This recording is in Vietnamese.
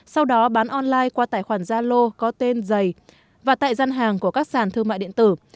sau đó bán online qua tài khoản gia lô có tên giày và tại gian hàng của các sàn thương mại điện tử